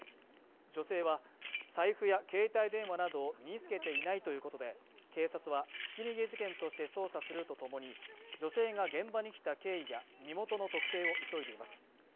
女性は財布や携帯電話などを身につけていないということで警察はひき逃げ事件として捜査するとともに女性が現場に来た経緯や身元の特定を急いでいます